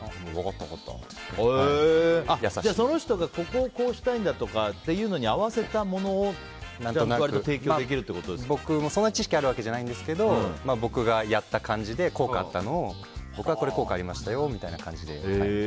その人が、ここをこうしたいんだっていうのに合わせたものをそんなに知識があるわけじゃないんですけど僕がやった感じで効果があったのを僕はこれ効果ありましたよみたいな感じで。